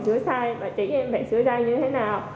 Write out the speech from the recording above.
sửa sai và chỉ em phải sửa ra như thế nào